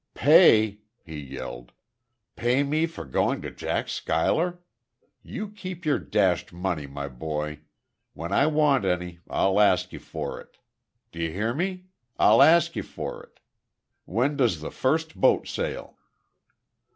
"Pay!" he yelled. "Pay me for going to Jack Schuyler! You keep your dashed money, my boy. When I want any, I'll ask you for it. D'ye hear me? I'll ask you for it! When does the first boat sail?"